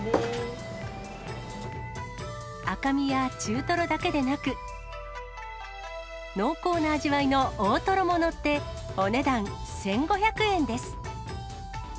赤身や中トロだけでなく、濃厚な味わいの大トロも載って、お値段１５００円です。